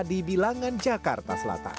di bilangan jakarta selatan